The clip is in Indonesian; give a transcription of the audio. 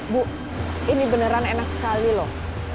bu ini beneran enak sekali loh